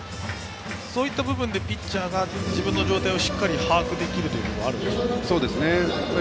そういった部分でピッチャーが自分の状態をしっかり把握できるということもあるんでしょうか？